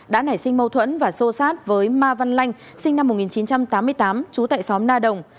đã nảy sinh mâu thuẫn và xô sát với ma văn lanh sinh năm một nghìn chín trăm tám mươi tám trú tại xóm na đồng